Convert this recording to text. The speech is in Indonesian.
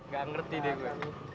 gak ngerti deh gue